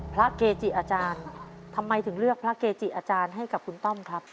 เกจิอาจารย์ทำไมถึงเลือกพระเกจิอาจารย์ให้กับคุณต้อมครับ